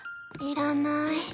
いらない。